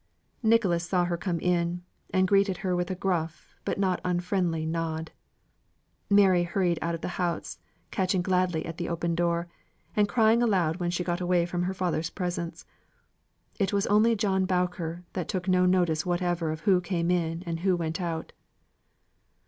Nicholas saw her come in, and greeted her with a gruff, but not unfriendly nod. Mary hurried out of the house, catching gladly at the open door, and crying aloud when she got away from her father's presence. It was only John Boucher that took no notice whatever who came in and who went out.